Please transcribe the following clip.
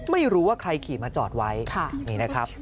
ไม่รู้ว่าใครขี่มาจอดไว้นี่นะครับ